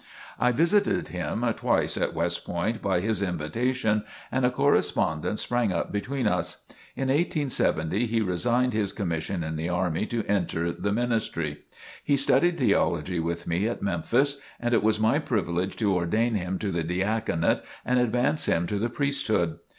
I visited him twice at West Point by his invitation, and a correspondence sprang up between us. In 1870 he resigned his commission in the army to enter the ministry. He studied theology with me at Memphis, and it was my privilege to ordain him to the diaconate and advance him to the priesthood.